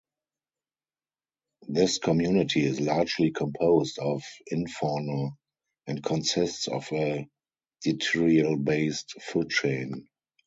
This community is largely composed of infauna and consists of a detrital-based food chain.